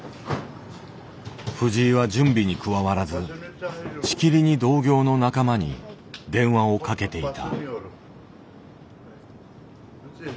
藤井は準備に加わらずしきりに同業の仲間に電話をかけていた。